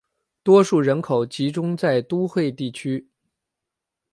多数人口集中在都会地区。